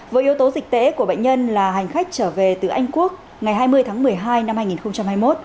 với yếu tố dịch tễ của bệnh nhân là hành khách trở về từ anh quốc ngày hai mươi tháng một mươi hai năm hai nghìn hai mươi một